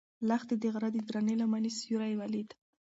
لښتې د غره د درنې لمنې سیوری ولید.